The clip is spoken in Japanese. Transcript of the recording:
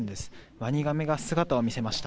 ワニガメが姿を見せました。